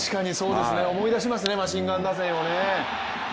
思い出しますねマシンガン打線をね。